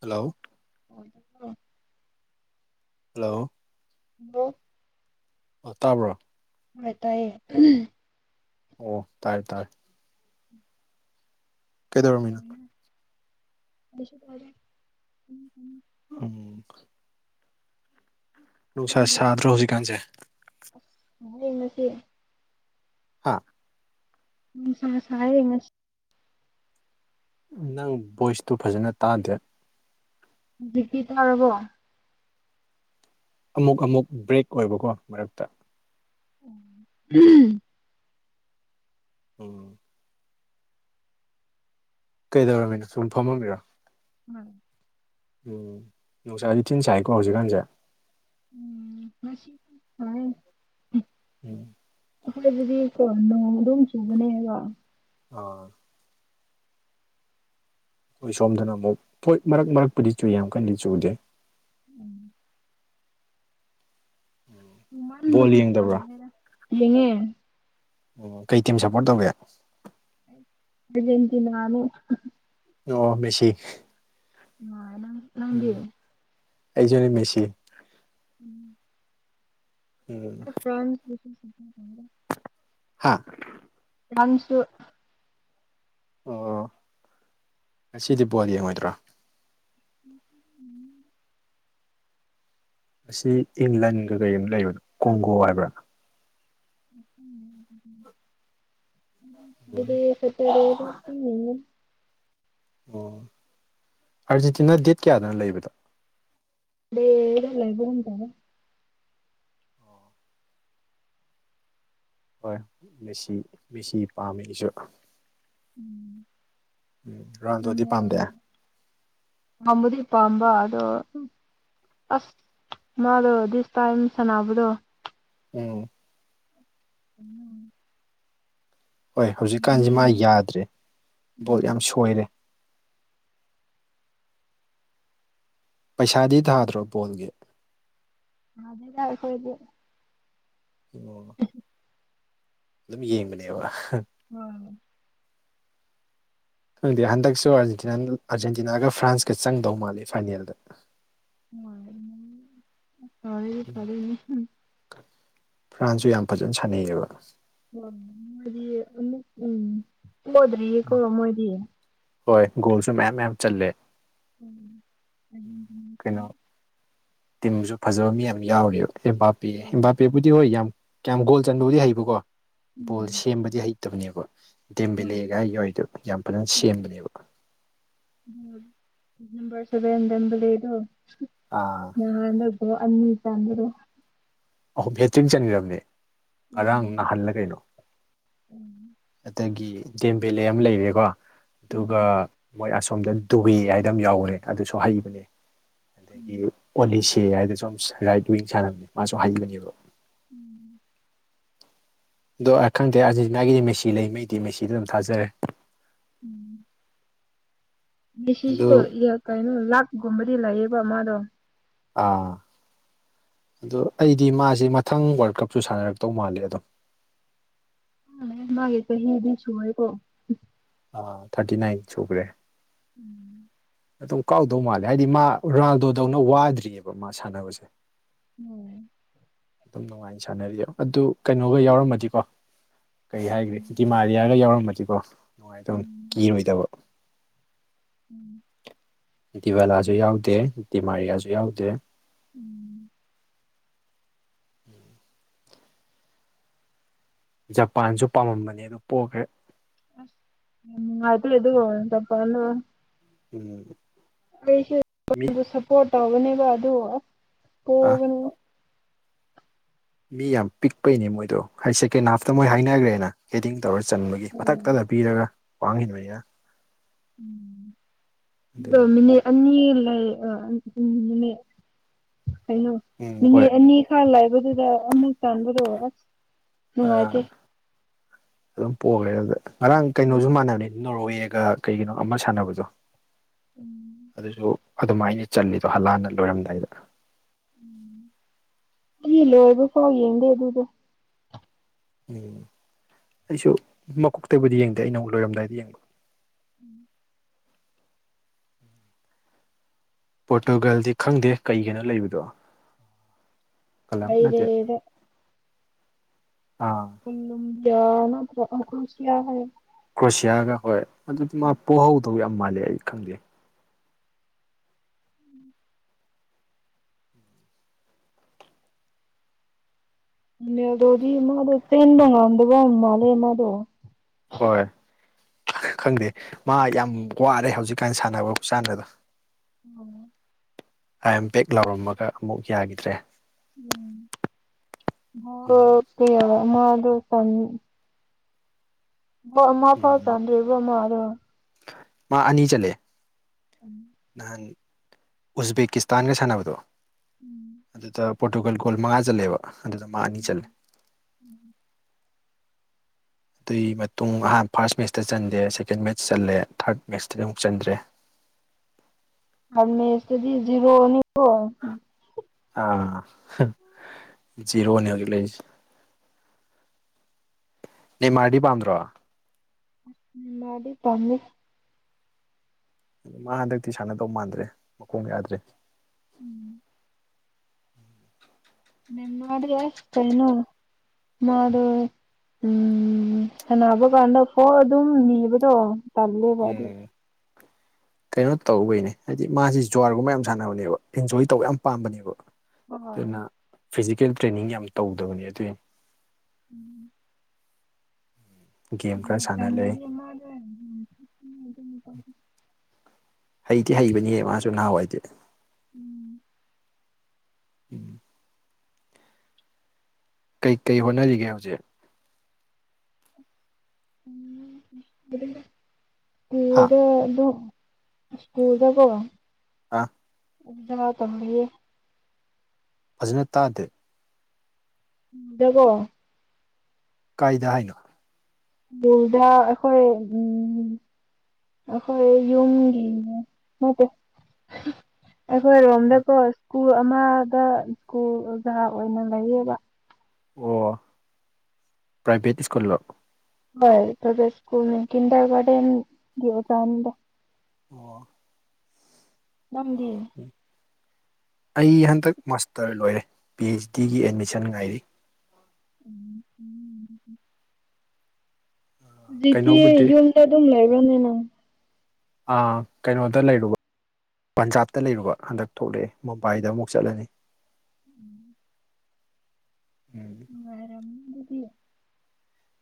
hello [unintelligible] hello hello ꯑꯣ ꯇꯥꯕ꯭ꯔꯣ ꯇ ꯇꯥꯏꯌꯦ [unintelligible] ꯑꯣ ꯇꯥꯔꯦ ꯇꯥꯔꯦ ꯀꯩꯗꯧꯔꯝꯃꯤꯅꯣ [inaudible] ꯎꯝ ꯅꯨꯡꯁꯥ ꯅꯪꯗꯤ ꯁꯥꯗ꯭ꯔꯣ ꯍꯧꯖꯤꯛꯀꯥꯟꯁꯦ [unintelligible] ꯍꯥ ꯅꯨꯡꯁꯥ ꯁꯥꯏꯌꯦ ꯉꯁꯤ ꯅꯪ ꯚꯣꯏꯁꯇꯨ ꯐꯖꯅ ꯇꯥꯗꯦ ꯍꯧꯖꯤꯛꯇꯤ ꯇꯥꯔꯕꯣ ꯑꯃꯨꯛ ꯑꯃꯨꯛ ꯕ꯭ꯔꯦꯛ ꯑꯣꯏꯕꯀꯣ ꯃꯔꯛꯇ ꯎꯝ ꯎꯝ ꯀꯩꯗꯧꯔꯝꯃꯤꯅꯣ ꯁꯨꯝ ꯐꯝꯃꯝꯃꯤꯔꯣ ꯎꯝ ꯎꯝ ꯅꯨꯡꯁꯥꯗꯤ ꯊꯤꯟ ꯁꯥꯏꯀꯣ ꯍꯧꯖꯤꯛꯀꯥꯟꯁꯦ ꯎꯝ ꯉꯁꯤ ꯁꯥꯌꯦ ꯎꯝ ꯑꯩꯈꯣꯏ ꯑꯗꯨꯗꯤ ꯀꯣ ꯅꯣꯡ ꯑꯗꯨꯝ ꯆꯨꯕꯅꯦꯕ ꯑ ꯑꯩꯈꯣꯏ ꯁꯣꯝꯗꯅ ꯑꯃꯨꯛ ꯄꯣꯏ ꯃꯔꯛ ꯃꯔꯛꯄꯨꯗꯤ ꯆꯨ ꯌꯥꯝ ꯀꯟꯅꯗꯤ ꯆꯨꯗꯦ ꯎꯝ ꯕꯣꯜ ꯆꯨꯃꯟꯕꯒꯤ ꯌꯦꯡꯗꯕ꯭ꯔꯥ ꯇꯜꯂꯦꯗ ꯌꯦꯉꯦ ꯑꯣ ꯀꯩ ꯇꯤꯝ ꯁꯞꯄꯣꯔꯠ ꯇꯧꯏ ꯑꯔꯖꯦꯟꯇꯤꯅꯥꯅꯣ ꯑꯣ ꯃꯦꯁꯤ ꯃꯥꯅ ꯎꯝ ꯑꯩꯁꯨꯅꯤ ꯃꯦꯁꯤ ꯎꯝ ꯎꯝ ꯐ꯭ꯔꯥꯟ [inaudible] ꯍꯥꯥ ꯐ꯭ꯔꯥꯟꯁꯨ ꯑꯣ ꯉꯁꯤꯗꯤ ꯕꯣꯜ ꯌꯦꯡꯉꯣꯏꯗ꯭ꯔꯥ ꯎꯝ ꯃꯁꯤ ꯏꯪꯂꯟꯒ ꯀꯩ ꯑꯃ ꯂꯩꯕꯅꯣ ꯀꯣꯡꯒꯣ ꯍꯥꯏꯕ꯭ꯔꯥ ꯎꯝ ꯁꯇ꯭ꯔꯗꯦ ꯌꯦꯡꯅꯤ ꯑꯣ ꯑꯥꯔꯖꯦꯟꯇꯤꯅꯥ ꯗꯦꯠ ꯀꯌꯥꯗꯅ ꯂꯩꯕꯗꯣ ꯗ ꯂꯥꯏꯕ ꯒꯨꯇꯧꯢ ꯍꯣꯏ ꯃꯦꯁꯤ ꯃꯦꯁꯤ ꯄꯥꯝꯃꯤ ꯑꯩꯁꯨ ꯎꯝ ꯔꯟꯗꯣꯗꯤ ꯄꯥꯝꯗꯦ ꯄꯥꯝꯕꯨꯗꯤ ꯄꯥꯝꯃꯦ ꯑꯗꯣ ꯑꯁ ꯃꯥꯗꯣ ꯗꯤꯁ ꯇꯥꯏꯝ ꯁꯥꯟꯅꯕꯗꯣ ꯎꯝ ꯎꯝ ꯍꯣꯏ ꯍꯧꯖꯤꯛꯀꯥꯟꯁꯦ ꯃꯥ ꯌꯦꯡꯅꯤꯡꯉꯦ ꯌꯥꯗ꯭ꯔꯦ ꯕꯣꯜ ꯌꯥꯝ ꯁꯣꯏꯔꯦ ꯄꯩꯁꯥꯗꯤ ꯊꯥꯗ꯭ꯔꯣ ꯕꯣꯜꯒꯤ ꯊꯗꯦꯗ ꯑꯩꯈꯣꯏꯗꯤ ꯎ ꯑꯗꯨꯝ ꯌꯦꯡꯕꯅꯦꯕ ꯍꯣꯏ ꯈꯪꯗꯤ ꯍꯟꯗꯛꯁꯨ ꯑꯥꯔꯖꯦꯟꯇꯤꯅꯥꯒ ꯐ꯭ꯔꯥꯟꯁꯀ ꯆꯪꯗꯧ ꯃꯥꯜꯂꯤ ꯐꯥꯏꯅꯦꯜꯗ ꯍꯗꯤ ꯐꯂꯅꯤ ꯐ꯭ꯔꯥꯟꯁꯁꯨ ꯌꯥꯝ ꯐꯖꯅ ꯁꯥꯟꯅꯩꯌꯦꯕ ꯑꯣ ꯃꯣꯏꯗꯤ ꯑꯃ ꯎꯝ ꯄꯣꯗꯔꯤꯌꯦ ꯀꯣ ꯃꯣꯏꯗꯤ ꯍꯣꯏ ꯒꯣꯜꯁꯨ ꯃꯌꯥꯝ ꯃꯌꯥꯝ ꯆꯜꯂꯦ ꯎꯝ ꯎꯝ ꯀꯩꯅꯣ ꯎꯝ ꯇꯤꯝꯁꯨ ꯐꯖꯕ ꯃꯤ ꯌꯥꯝ ꯌꯥꯎꯋꯦꯕ ꯏꯝꯕꯥꯄꯤ ꯍꯣꯏ ꯏꯝꯕꯥꯄꯤ ꯕꯨꯗꯤ ꯍꯣꯏ ꯌꯥꯝ ꯀꯌꯥꯝ ꯒꯣꯜ ꯆꯟꯕꯕꯨꯗꯤ ꯍꯩꯕꯀꯣ ꯕꯣꯜ ꯎꯝ ꯁꯦꯝꯕꯗꯤ ꯍꯩꯇꯕꯅꯦꯕ ꯍꯣꯏ ꯗꯤꯝꯕꯤꯂꯦꯒꯥꯏ ꯌꯏꯗꯣ ꯌꯥꯝ ꯐꯖꯅ ꯁꯦꯝꯕꯅꯦꯕ ꯍ ꯅꯝꯕꯔ ꯁꯕꯦꯟꯝꯕ ꯂꯩꯣ ꯑꯥ ꯅꯗꯒꯣ ꯑꯅꯤ ꯆꯗꯣ ꯑꯍꯨꯝ ꯍꯦꯇ꯭ꯔꯤꯛ ꯆꯟꯈ꯭ꯔꯕꯅꯦ ꯉꯔꯥꯡ ꯎꯝ ꯅꯅꯥꯍꯜꯂ ꯀꯩꯅꯣ ꯎꯝ ꯑꯗꯒꯤ ꯗꯦꯝ ꯕꯦꯂꯦ ꯑꯃ ꯂꯩꯔꯦꯀꯣ ꯑꯗꯨꯒ ꯎꯝ ꯃꯣꯏ ꯑꯁꯣꯝꯗ ꯗꯨꯏ ꯍꯥꯏꯗꯝ ꯌꯥꯎꯈ꯭ꯔꯦ ꯑꯗꯨꯁꯨ ꯍꯩꯕꯅꯦ ꯑꯗꯒꯤ ꯎꯝ ꯑꯣꯂꯤꯁꯦ ꯍꯥꯏꯗꯁꯨ ꯔꯥꯏꯠ ꯋꯤꯡ ꯁꯥꯟꯅꯕꯅꯦ ꯃꯥꯁꯨ ꯍꯥꯏꯩꯕꯅꯦꯕ ꯎꯝ ꯑꯗꯣ ꯑꯩ ꯈꯪꯗꯦ ꯑꯟꯖꯤ ꯃꯥꯒꯤꯗꯤ ꯃꯦꯁꯤ ꯂꯩ ꯃꯩꯗꯤ ꯃꯦꯁꯤꯗ ꯑꯗꯨꯝ ꯊꯥꯖꯔꯦ ꯎꯝ ꯑꯗꯣ ꯁꯤꯁꯨ ꯀꯩꯅꯣ ꯂꯥꯛꯀꯨꯝꯕꯗꯤ ꯂꯩꯌꯦꯕ ꯃꯥꯗꯣ ꯑꯥ ꯑꯗꯨꯣ ꯑꯩꯗꯤ ꯃꯥꯁꯦ ꯃꯊꯪ ꯋꯥꯔꯜ ꯀꯞꯁꯨ ꯁꯥꯟꯅꯔꯛꯇꯧ ꯃꯥꯜꯂꯦ ꯑꯗꯝ ꯃꯥꯒꯤ ꯆꯍꯤꯗꯤ ꯁꯨ ꯍꯥꯏꯥꯏꯀꯣ ꯑ ꯊꯥꯔꯇꯤ ꯅꯥꯏꯟ ꯆꯨꯈ꯭ꯔꯦ ꯎꯝ ꯑꯗꯨꯝ ꯀꯥꯎꯗꯧ ꯃꯥꯂꯦ ꯍꯥꯏꯗꯤ ꯃꯥ ꯔꯣꯅꯥꯜꯗꯣꯗꯧꯅ ꯋꯥꯗ꯭ꯔꯤꯑꯕ ꯃꯥ ꯁꯥꯟꯅꯕꯁꯦ ꯎꯝ ꯑꯗꯨꯝ ꯅꯨꯡꯉꯥꯏꯅ ꯁꯥꯟꯅꯔꯤ ꯑꯗꯨ ꯀꯩꯅꯣꯒ ꯌꯥꯎꯔꯝꯃꯗꯤꯀꯣ ꯀꯩ ꯍꯥꯏꯒ꯭ꯔꯦ ꯎꯝ ꯗꯤꯃꯥꯂꯤꯌꯥꯂꯤꯌꯥꯒ ꯌꯥꯎꯔꯃꯗꯤꯀꯣ ꯅꯨꯡꯉꯥꯏꯅ ꯇꯧꯅꯤ ꯎꯝ ꯀꯤꯔꯣꯏꯗꯕ ꯎꯝ ꯟꯇꯤꯚꯦꯂꯥꯁꯨ ꯌꯥꯎꯗꯦꯇꯗꯤꯃꯥꯔꯤꯌꯥꯁꯨ ꯌꯥꯎꯗꯦ ꯎꯝ ꯎꯝ ꯖꯄꯥꯟꯁꯨ ꯄꯥꯝꯃꯝꯕꯅꯦ ꯑꯗꯨ ꯄꯣꯛꯈ꯭ꯔꯦ ꯎꯝ ꯍꯥꯏ ꯌꯦꯗꯨꯒ ꯇꯄ ꯎꯝ ꯃꯤ ꯑꯩꯁꯨꯣꯟ ꯁꯞꯄꯣꯔꯠ ꯇꯧꯒꯅꯦꯕ ꯑꯗꯨ ꯑ ꯄꯣꯛꯒꯅꯨ ꯃꯤ ꯌꯥꯝ ꯄꯤꯛꯄꯩꯅꯦ ꯃꯣꯏꯗꯣ ꯍꯥꯏ ꯁꯦꯀꯦꯟ ꯍꯥꯐꯇ ꯃꯣꯏ ꯍꯥꯏꯅꯈ꯭ꯔꯦꯅ ꯍꯦꯗꯤꯡ ꯇꯧꯔ ꯆꯟꯕꯒꯤ ꯎꯝ ꯃꯊꯛꯇꯗ ꯄꯤꯔꯒ ꯋꯥꯡꯟꯕꯅꯤꯅ ꯎꯝ ꯑꯗꯨꯒꯤꯅꯤ ꯗꯣꯃꯤꯅꯤ ꯑꯅꯤ ꯂꯩ ꯎꯃꯤꯠ ꯀꯩꯅꯣ ꯎꯝ ꯍꯣꯏ ꯃꯤꯅꯤꯠ ꯑꯅꯤ ꯊꯥ ꯂꯥꯏꯕꯗꯨꯗ ꯑꯃꯨꯛ ꯆꯥꯟꯕꯗꯣ ꯑꯣꯏ ꯑꯁ ꯑꯥ ꯅꯨꯡꯉꯥꯏꯇꯦ ꯑꯗꯨꯝ ꯄꯣꯛꯈꯦ ꯑꯗꯨꯗ ꯉꯔꯥꯡ ꯀꯩꯅꯣꯁꯨ ꯎꯝ ꯃꯥꯟꯅꯕꯅꯤꯅ ꯅꯣꯔꯋꯦꯒ ꯀꯩꯒꯤꯅꯣ ꯑꯃ ꯁꯥꯟꯅꯕꯗꯣ ꯎꯝ ꯑꯗꯨꯁꯨ ꯑꯗꯨꯃꯥꯏꯅ ꯆꯠꯂꯤꯗꯣ ꯍꯜꯂꯥꯟꯅ ꯂꯣꯏꯔꯝꯗꯥꯏꯗ ꯏ ꯂꯣ ꯑꯗꯨꯁꯨꯣ ꯌꯦꯡꯗꯦ ꯑꯗꯨꯣ ꯎꯝ ꯑꯩꯁꯨ ꯃꯀꯣꯛꯇꯒꯤꯕꯨꯗꯤ ꯌꯦꯡꯗꯦ ꯑꯩ ꯅ ꯑꯃꯨꯛ ꯂꯣꯏꯔꯝꯗꯥꯏꯗ ꯌꯦꯡꯕ ꯎꯝ ꯄꯣꯔꯇꯨꯒꯜꯗꯤ ꯈꯪꯗꯦ ꯀꯩꯒꯤꯅꯣ ꯂꯩꯕꯗꯣ ꯀꯂꯝ ꯅꯠꯇ ꯍꯩꯔꯦꯗ ꯑꯥ ꯄꯨꯕꯤ ꯌꯥ ꯅꯈ꯭ꯔꯨꯁ ꯀꯌꯥ ꯍꯥꯏ ꯀ꯭ꯔꯣꯁꯤꯌꯥꯒ ꯍꯣꯏ ꯑꯗꯨꯗꯤ ꯃꯥ ꯄꯣꯛꯍꯧꯗꯧꯕ ꯌꯥꯝ ꯃꯥꯜꯂꯦ ꯑꯩ ꯈꯪꯗꯦ ꯎꯅꯦ ꯑꯗꯨꯣꯗꯤ ꯃꯥꯗꯣ ꯆꯦꯟꯕ ꯉꯝꯗꯕ ꯃꯥꯜꯂꯦ ꯃꯥꯗꯣ ꯍꯣꯏ ꯈꯪꯗꯦ ꯃꯥ ꯌꯥꯝ ꯋꯥꯔꯦ ꯍꯧꯖꯤꯛꯀꯥꯟꯅ ꯁꯥꯟꯅꯕ ꯆꯥꯟꯅꯕꯗꯣ ꯎꯝ ꯑꯥꯏ ꯑꯦꯝ ꯦꯛ ꯂꯥꯎꯔꯝꯃꯒ ꯑꯃꯨꯛ ꯌꯥꯈꯤꯗ꯭ꯔꯦ ꯎꯝ ꯑꯗꯨ ꯁ ꯃꯃ ꯐꯥꯎ ꯎꯝ ꯆꯥꯟꯗꯔꯤꯕꯣꯃꯔꯣ ꯃꯥ ꯑꯅꯤ ꯆꯂꯦ ꯎꯝ ꯅꯍꯥꯟ ꯎꯖꯕꯦꯛꯀꯤꯁꯇꯥꯟꯒ ꯁꯥꯟꯅꯕꯗꯣ ꯎꯝ ꯑꯗꯨꯗ ꯄꯣꯔꯇꯨꯒꯜ ꯒꯣꯜ ꯃꯉꯥ ꯆꯠꯂꯦꯕ ꯑꯗꯨꯗ ꯃꯥꯉ ꯑꯅꯤ ꯆꯠꯂꯦ ꯎꯝ ꯑꯗꯨꯏ ꯃꯇꯨꯡ ꯑꯍꯥꯟ ꯐꯥꯔꯁ ꯃꯦꯠꯁꯇ ꯆꯟꯗꯦ ꯁꯦꯀꯦꯟ ꯃꯦꯠꯆ ꯆꯜꯂꯦ ꯊꯥꯔꯠ ꯃꯦꯠꯆꯇꯗꯤ ꯑꯃꯨꯛ ꯆꯟꯗ꯭ꯔꯦ ꯍ ꯃꯦꯁꯇꯗꯤ ꯖꯤꯔꯣꯅꯤꯣ ꯑꯥ ꯖꯤꯔꯣꯅꯤ ꯍꯧꯒꯤ ꯂꯩꯁꯤ ꯅꯦꯃꯥꯔꯗꯤ ꯄꯥꯟꯗ꯭ꯔꯣ ꯃꯥꯔꯗꯤ ꯇꯜꯂꯤ ꯑ ꯃꯥ ꯍꯟꯗꯛꯇꯤ ꯁꯥꯟꯅꯗꯧ ꯃꯥꯟꯗ꯭ꯔꯦ ꯃꯈꯣꯡ ꯌꯥꯗ꯭ꯔꯦ ꯎꯝ ꯅꯦꯃꯥꯔꯗꯤ ꯑꯁ ꯀꯩꯅꫭ ꯃꯥꯗꫭ ꯎꯝ ꯁꯅꯕ ꯀꯥꯟꯗ ꯄꯣ ꯑꯗꯨꯝ ꯅꯤꯕꯗꯣ ꯇꯜꯂꯦꯕ ꯅꯦ [inaudible] ꯀꯩꯅꯣ ꯇꯧꯕꯈꯩꯅꯦ ꯍꯥꯏꯗꯤ ꯃꯥꯁꯤ ꯖꯨꯋꯥꯔꯒꯨꯝꯕ ꯌꯥꯝ ꯁꯥꯟꯅꯕꯅꯦꯕ ꯑꯦꯟꯖꯣꯏ ꯇꯧꯕ ꯌꯥꯝ ꯄꯥꯝꯕꯅꯦꯕ ꯑꯗꯨꯅ ꯍꯣꯏ ꯐꯤꯖꯤꯀꯦꯜ ꯇ꯭ꯔꯦꯅꯤꯡ ꯌꯥꯝ ꯇꯧꯗꯕꯅꯦ ꯑꯗꯨꯏ ꯎꯝ ꯒꯦꯝ ꯈꯔ ꯑꯣ ꯁꯥꯟꯅ ꯂꯩ ꯆꯅꯗꯤꯃꯗ ꯍꯩꯗꯤ ꯍꯩꯕꯅꯦ ꯃꯥꯁꯨ ꯅꯍꯥꯟꯋꯥꯏꯗꯤ ꯎꯝ ꯎꯝ ꯀꯩ ꯀꯩ ꯍꯣꯠꯅꯔꯤꯒꯦ ꯍꯧꯖꯤꯛ ꯍꯥ [unintelligible] ꯏꯁ꯭ꯀꯨꯜꯗꯀꫭ ꯑꯥ [unintelligible] ꯇꯝꯕꯤꯌꯦ ꯐꯖꯅ ꯇꯥꯗꯦ [unintelligible] ꯀꯥꯏꯗ ꯍꯥꯏꯅꯣ [unintelligible] ꯑꯩꯈꯣꯏ ꯎꯝ ꯑꯩꯈꯣꯏ ꯌꯨꯝꯒꯤꯅꯦ [unintelligible] ꯑꯩꯈꯣꯏꯔꯣꯝꯗꯀꯣ ꯏꯁ꯭ꯀꯨꯜ ꯑꯃꯗ ꯏꯁ꯭ꯀꯨꯜ ꯑꯣꯖꯥ ꯑꯣꯏꯅ ꯂꯩꯌꯦꯕ ꯑꯣ ꯄ꯭ꯔꯥꯏꯚꯦꯠ ꯏꯁ꯭ꯀꯨꯜꯂꯣ ꯍꯣꯏ ꯄ꯭ꯔꯥꯏꯚꯦꯠ ꯏꯁꯀꯨꯜ ꯀꯤꯟꯗꯔ ꯒꯥꯔꯗꯦꯟꯒꯤ ꯑꫭꯖꯥꯅꯥꯗ ꯑꯣ ꯅꯪꯗꯤ ꯑꯩ ꯍꯟꯗꯛ ꯃꯥꯁꯇꯔ ꯂꯣꯏꯔꯦ ꯄꯤ ꯑꯩꯆ ꯗꯤꯒꯤ ꯑꯦꯗꯃꯤꯁꯟ ꯉꯥꯏꯔꯤ ꯎꯝ ꯎꯝ ꯍꯧꯖꯤꯗꯤ ꯀꯩꯅꯣꯕꯨꯗꯤ ꯌꯨꯝꯗ ꯑꯗꯨꯝ ꯂꯩꯕ꯭ꯔꯅꯦ ꯅꯪ ꯑ ꯀꯩꯅꯣꯗ ꯂꯩꯔꯨꯕ ꯄꯟꯖꯥꯕꯇ ꯂꯩꯔꯨꯕ ꯍꯟꯗꯛ ꯊꯣꯛꯂꯛꯑꯦ ꯃꯨꯝꯕꯥꯏꯗ ꯑꯃꯨꯛ ꯆꯠꯂꯅꯤ ꯎꯝ ꯎꯝ ꯅꯨꯉꯥꯏꯔꯝꯒꯅꯤ ꯑꯗꯨꯗꯤ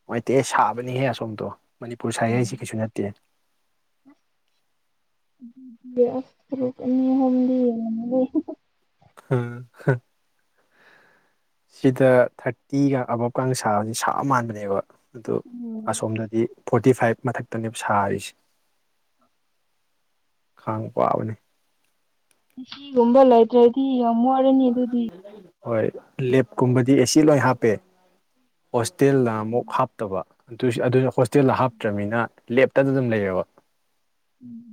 ꯅꯨꯡꯉꯥꯏꯇꯦ ꯁꯥꯕꯅꯤꯍꯦ ꯑꯁꯣꯝꯗꯣ ꯃꯅꯤꯄꯨꯔ ꯁꯥꯏ ꯍꯥꯏꯁꯤꯦ ꯀꯩꯁꯨ ꯅꯠꯇꯦ [unintelligible] [unintelligible] ꯁꯤꯗ ꯊꯥꯔꯇꯤꯒ ꯑꯕꯞꯀ ꯁꯥꯕꯁꯤ ꯁꯥ ꯃꯥꯟꯕꯅꯦꯕ ꯑꯗꯨ ꯎꯝ ꯑꯁꯣꯝꯗꯗꯤ ꯐꯣꯔꯇꯤ ꯐꯥꯏꯚ ꯃꯊꯛꯇꯅꯦꯕ ꯁꯥꯔꯤꯁꯦ ꯈꯥꯡꯕ ꯋꯥꯥꯕꯅꯦ ꯑꯦꯁꯤꯒꯨꯝꯕ ꯂ ꯂꯩꯗ꯭ꯔꯦꯗꯤ ꯌꯥꯝꯃ ꯋꯥꯔꯅꯤ ꯑꯗꯨꯗꯤ ꯍꯣꯏ ꯂꯦꯞꯀꯨꯝꯕꯗꯤ ꯑꯦꯁꯤ ꯂꯣꯏ ꯍꯥꯞꯄꯦ ꯍꯣꯁꯇꯦꯜꯅ ꯎꯝ ꯑꯃꯨꯛ ꯍꯥꯞꯇꯕ ꯑꯗꯨ ꯑꯗꯨꯁꯨ ꯍꯣꯁꯇꯦꯜꯗ ꯍꯥꯞꯇ꯭ꯔꯕꯅꯤꯅ ꯂꯦꯞꯇꯗ ꯑꯗꯨꯝ ꯂꯩꯔꯦꯕ ꯎꯝ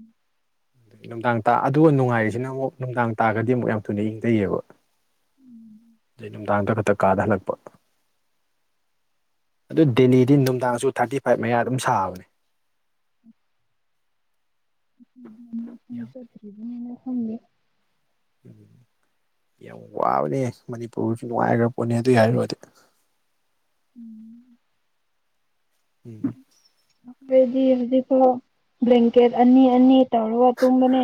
ꯅꯨꯡꯗꯥꯡ ꯇ ꯑꯗꯨꯒ ꯅꯨꯡꯉꯥꯏꯔꯤꯁꯤꯅ ꯑꯃꯨꯛ ꯅꯨꯡꯗꯥꯡ ꯇꯥꯔꯒꯗꯤ ꯑꯃꯨꯛ ꯌꯥꯝ ꯊꯨꯅ ꯏꯪꯊꯩꯌꯦꯕ ꯁꯤꯩ ꯅꯨꯡꯗꯥꯡꯗ ꯈꯛꯇ ꯀꯥꯗ ꯍꯜꯂꯛꯄ ꯑꯗꯨ ꯗꯦꯂꯤꯗꯤ ꯅꯨꯡꯗꯥꯡꯁꯨ ꯊꯥꯔꯇꯤ ꯐꯥꯏꯚ ꯃꯌꯥ ꯑꯗꯨꯝ ꯁꯥꯕꯅꯦ ꯌꯥꯝ [unintelligible] ꯎꯝ ꯌꯥꯝ ꯋꯥꯕꯅꯦ ꯃꯅꯤꯄꯨꯔꯁꯨ ꯅꯨꯡꯉꯥꯏꯈ꯭ꯔ ꯄꯣꯠꯅꯦ ꯑꯗꯨꯏ ꯍꯥꯏꯔꫭꯗꯤ ꯎꯝ ꯎꯝ [unintelligible] ꯍꯧꯖꯤꯛꯐꯥꯎ ꯕ꯭ꯂꯦꯡꯀꯦꯠ ꯑꯅꯤ ꯑꯅꯤ ꯇꯧꯔꯒ ꯇꯨꯝꯕꯅꯦ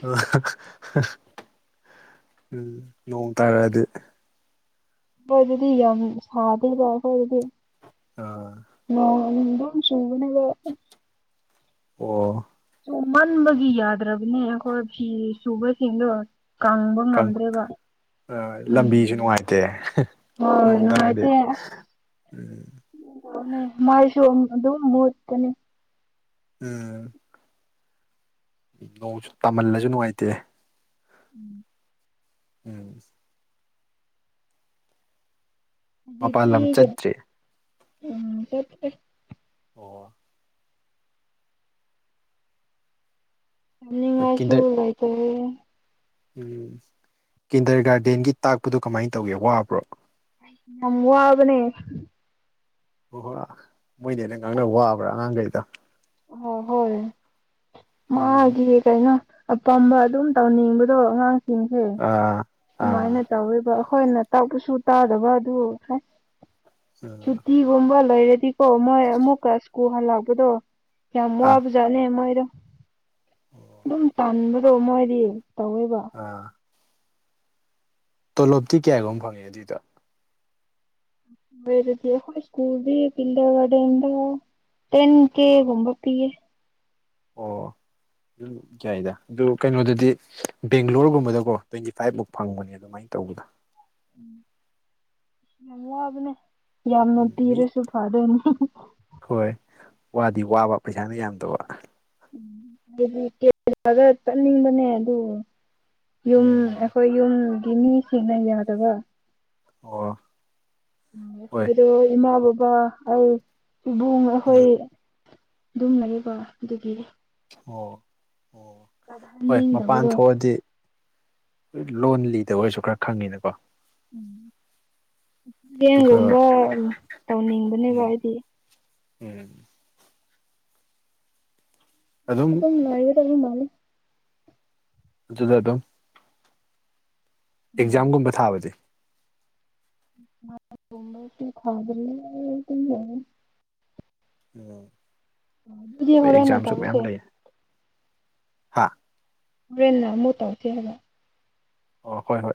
[unintelligible] ꯎꯝ ꯅꯣꯡ ꯇꯥꯔꯛꯑꯗꯤ ꯁ꯭ꯋꯥꯏꯗꯗꯤ ꯌꯥꯝ ꯁꯥꯗꯕ ꯑꯈꫭꯏꯗꯗꯤ ꯑ ꯅꯣ ꯑꯗꯨꯝ ꯆꯨꯕꯅꯦꯅ ꯑꯣ ꯆꯨꯃꯟꯕꯒꯤ ꯌꯥꯗ꯭ꯔꯕꯅꯦ ꯑꯩꯈꯣꯏ ꯐꯤ ꯁꯨꯕꯁꯤꯡꯗꯣ ꯀꯪꯕ ꯉꯝꯗ꯭ꯔꯦꯕ ꯑ ꯂꯝꯕꯤꯁꯨ ꯎꯝ ꯅꯨꯡꯉꯥꯏꯇꯦ ꯍꯣꯏ ꯅꯣꯡ ꯇꯥꯔꯗꯤ ꯅꯨꯡꯉꯥꯏꯇꯦ ꯎꯝ [unintelligible] ꯃꯥꯩꯁꯤ ꯑꯣꯗꯨ ꯃꯨꯠꯀꯅꯤ ꯎꯝ ꯅꯣꯡꯁꯨ ꯇꯥꯃꯜꯂꯁꯨ ꯅꯨꯡꯉꯥꯏꯇꯦ ꯎꯝ ꯎꯝ ꯗꯤ ꯃꯄꯥꯟ ꯂꯝ [unintelligible] ꯆꯠꯇ꯭ꯔꯤ ꯎꯝ ꯆꯠꯇꯦ ꯑꯣ ꯅꯤꯡꯉꯥꯏꯁꯨ ꯂꯩꯇꯔꯦ ꯎꯝ ꯀꯤꯟꯗꯔ ꯒꯥꯔꯗꯦꯟꯒꯤ ꯇꯥꯛꯄꯗꯣ ꯀꯃꯥꯏꯅ ꯇꯧꯒꯦ ꯋꯥꯕ꯭ꯔꯣ ꯌꯥꯝ ꯋꯥꯕꯅꯤ ꯍꯣꯏ ꯍꯣꯏ ꯃꯣꯏꯗꯤ ꯑꯩꯅ ꯉꯥꯡꯅꯕ ꯋꯥꯕ꯭ꯔꯥ ꯑꯉꯥꯡꯈꯩꯗ ꯑꯣ ꯍꯣꯏ ꯃꯣꯢ ꯎꯝ ꯀꯩꯅꯣ ꯑꯄꯥꯝꯕ ꯑꯗꯨꯝ ꯇꯧꯅꯤꯡꯕꯗꯣ ꯑꯉꯥꯡꯁꯤꯡꯁꯦ ꯑ ꯑꯗꯨꯃꯥꯏꯅ ꯇꯧꯔꯤꯕ ꯑꯩꯈꯣꯏꯅ ꯇꯥꯛꯄꯁꯨ ꯇꯥꯗꯕ ꯑꯗꯨ ꯁꯨꯇꯤ ꯒꯨꯝꯕ ꯂꯩꯔꯗꯤꯀꯣ ꯃꯣꯏ ꯑꯃꯨꯛꯀ ꯁ꯭ꯀꯨ ꯍꯜꯂꯛꯄꯗꯣ ꯌꯥꯝ ꯑꯥ ꯋꯥꯕꯁꯨ ꯐꯖꯥꯅꯦ ꯃꯣꯏꯗꯣ ꯑꯗꯨꯝ ꯇꯥꯟꯕꯗꯣ ꯃꯣꯏꯗꯤ ꯇꯧꯋꯦꯕ ꯑꯥ ꯇꯣꯂꯣꯞꯇꯤ ꯀꯌꯥꯒꯨꯝꯕ ꯐꯪꯉꯦ ꯑꯗꯨꯏꯗꯣ ꯗꯤ ꯍꯣꯏ ꯁꯀꯨꯜ ꯗꯤ ꯀꯤꯟꯗꯔꯪꯒꯥꯔꯗꯦꯟꯗ ꯇꯦꯟ ꯀꯦ ꯒꯨꯝꯕ ꯄꯤꯌꯦ ꯑꯣ [unintelligible] ꯌꯥꯏꯗ ꯑꯗꯨ ꯀꯩꯅꯣꯗꯗꯤ ꯕꯦꯡꯒ꯭ꯂꯣꯔꯒꯨꯝꯕꯗꯀꯣ ꯇ꯭ꯋꯦꯟꯇꯤ ꯐꯥꯏꯚꯃꯨꯛ ꯐꯪꯕꯅꯦ ꯑꯗꯨꯃꯥꯏꯅ ꯇꯧꯒꯗꯅ ꯌꯥꯝ ꯋꯥꯕꯅꯦ ꯌꯥꯝꯅ ꯎꯝ ꯃꯤ ꯄꯤꯔꯁꯨ ꯐꯥꯗꯣꯢꯅꯦ ꯍꯣꯏ ꯋꯥꯗꯤ ꯋꯥꯕ ꯄꯩꯁꯥꯅ ꯌꯥꯝꯗꯕ ꯗꯦꯂꯤ [unintelligible] ꯆꯠꯅꯤꯡꯕꯅꯦ ꯑꯗꯨ ꯌꯨꯝ ꯎꯝ ꯑꯩꯈꯣꯏ ꯌꯨꯝꯒꯤ ꯃꯤꯁꯤꯡꯅ ꯌꯥꯗꯕ ꯑꯣ ꯍꯣꯏ ꯎꯈꯣꯏꯗꯣ ꯏꯃꯥ ꯕꯕꯥ ꯑꯩ ꯏꯕꯨꯡ ꯑꯩꯈꯣꯏ ꯑꯗꯨꯨꯝ ꯂꯩꯕ ꯑꯗꯨꯒꯤ ꯑꯣ ꯑꯣ ꯍꯣꯏ ꯃꯄꯥꯟ ꯆꯠꯍꯟꯅꯤꯡꯗꯕꯗꯣ ꯊꯣꯛꯑꯗꯤ ꯂꯣꯟ ꯂꯤꯗ ꯑꯣꯏꯔꯁꯨ ꯈꯔ ꯈꯪꯉꯤꯅꯀꯣ ꯎꯝ ꯑꯗꯨꯒ ꯕꯦꯡꯒꯨꯝꯕ ꯇꯧꯅꯤꯡꯕꯅꯦꯕ ꯎꯝ ꯑꯩꯗꯤ ꯎꯝ ꯑꯗꯨꯝ ꯂꯩꯒꯗꯕ ꯃꯥꯜꯂꯤ ꯑꯗꯨꯗ ꯑꯗꯨꯝ ꯑꯦꯛꯖꯥꯝꯒꯨꯝꯕ ꯊꯥꯕꯗꯤ [unintelligible] ꯈꯥꯗ꯭ꯔꯤ [unintelligible] ꯑꯗꯨꯗꯤ ꯍꯣꯏ ꯍꯣꯔꯦꯟꯅ ꯑꯦꯛꯖꯥꯝꯁꯨ ꯃꯌꯥꯝ ꯇꯧꯔꯁꯦ ꯂꯩ ꯍꯥ ꯍꯣꯔꯦꯟ ꯑꯃꯨꯛ ꯇꯧꯁꯦ ꯍꯥꯏꯕ ꯑꯣ ꯍꯣꯏ ꯍꯣꯏ